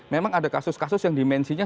memang ada kasus kasus yang dimensinya